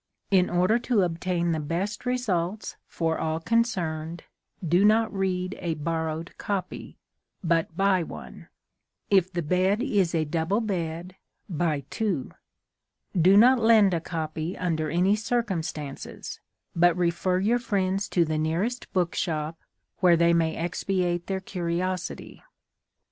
In order to obtain the best results for all concerned do not read a borrowed copy, but buy one. If the bed is a double bed, buy two. Do not lend a copy under any circumstances, but refer your friends to the nearest bookshop, where they may expiate their curiosity.